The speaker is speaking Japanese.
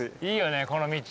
この道。